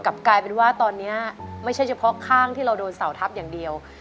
กลายเป็นว่าตอนนี้ไม่ใช่เฉพาะข้างที่เราโดนเสาทับอย่างเดียว